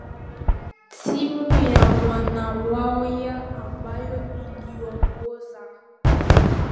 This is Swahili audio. timu ya mwanamwaya ambayo iliongozaa